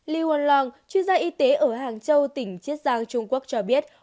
li won long chuyên gia y tế ở hàng châu tỉnh chiết giang trung quốc cho biết